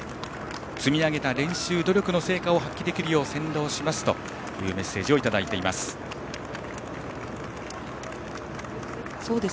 積み上げた練習努力の成果を発揮できるよう先導しますというメッセージをいただいています。